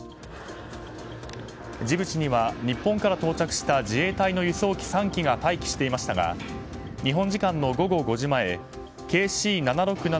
ジブチには、日本から到着した自衛隊の輸送機３機が待機していましたが日本時間の午後５時前ＫＣ７６７